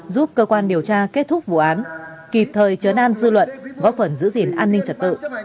giúp cơ quan điều tra kết thúc vụ án kịp thời chấn an dư luận góp phần giữ gìn an ninh trật tự